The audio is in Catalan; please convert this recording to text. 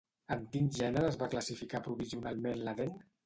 En quin gènere es va classificar provisionalment la dent?